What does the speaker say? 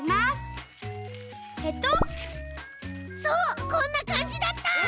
そうこんなかんじだった。